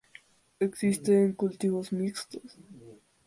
Existen cultivos mixtos.